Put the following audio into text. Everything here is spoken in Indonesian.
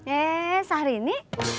eh sehari ini